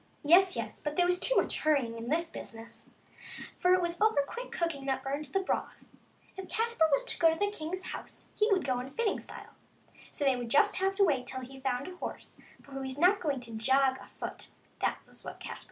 Yes, yes, but there was too much hurrying in this business, for it was over quick cooking that burned the broth. If Caspar was to go to the king's house he would go in fitting style, so they would just have to wait till he found a horse, for he was not going to jog it afoot ; that was what Caspar said.